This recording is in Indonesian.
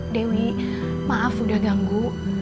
dewi maaf udah ganggu